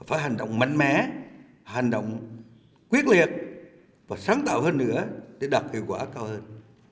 phải hành động mạnh mẽ hành động quyết liệt và sáng tạo hơn nữa để đạt hiệu quả cao hơn